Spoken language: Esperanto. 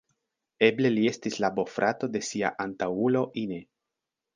Eble li estis la bofrato de sia antaŭulo Ine.